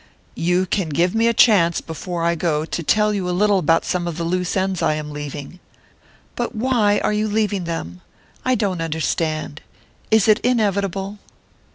"You can give me a chance, before I go, to tell you a little about some of the loose ends I am leaving." "But why are you leaving them? I don't understand. Is it inevitable?"